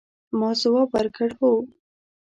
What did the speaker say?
ما ځواب ورکړ، هو.